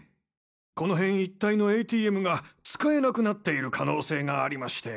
この辺一帯のＡＴＭが使えなくなっている可能性がありまして。